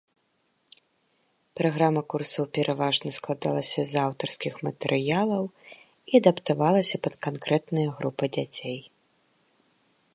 Праграма курсаў пераважна складалася з аўтарскіх матэрыялаў і адаптавалася пад канкрэтныя групы дзяцей.